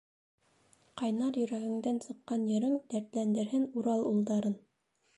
Ҡайнар йөрәгеңдән сыҡҡан йырың Дәртләндерһен Урал улдарын...